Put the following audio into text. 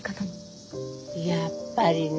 やっぱりね。